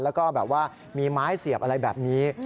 แล้วก็แบบว่ามีไม้เสียบอะไรแบบนี้